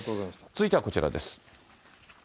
続いてはこちらです。